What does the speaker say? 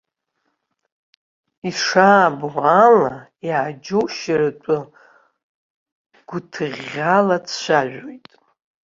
Ишаабо ала, иааџьоушьартә гәҭыӷьӷьала дцәажәоит.